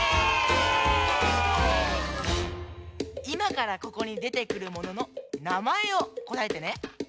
いまからここにでてくるもののなまえをこたえてね。